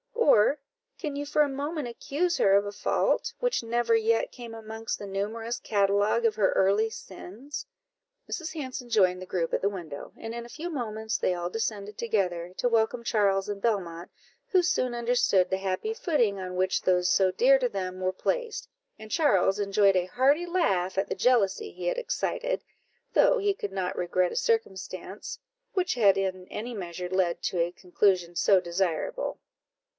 or can you for a moment accuse her of a fault, which never yet came amongst the numerous catalogue of her early sins?" Mrs. Hanson joined the group at the window, and in a few moments they all descended together, to welcome Charles and Belmont, who soon understood the happy footing on which those so dear to them were placed; and Charles enjoyed a hearty laugh at the jealousy he had excited, though he could not regret a circumstance which had in any measure led to a conclusion so desirable.